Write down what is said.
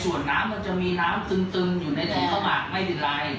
ส่วนน้ำมันจะมีน้ำตึงอยู่ในถุงข้าวหมากไม่ได้ไร